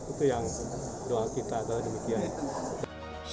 itu yang doa kita adalah demikian